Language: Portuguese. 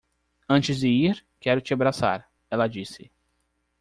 "Antes de ir, quero te abraçar", ela disse.